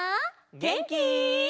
げんき？